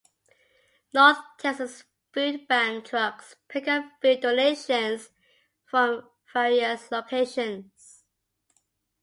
North Texas Food Bank trucks pickup food donations from various locations.